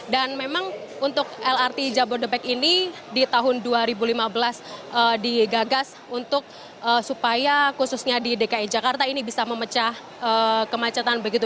dan memang untuk lrt jabodetabek ini di tahun dua ribu lima belas digagas untuk supaya khususnya di dki jakarta ini bisa memecah kemacetan begitu